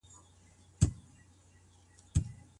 ښځو له رسول الله څخه څه پوښتنه وکړه؟